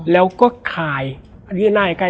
แล้วสักครั้งหนึ่งเขารู้สึกอึดอัดที่หน้าอก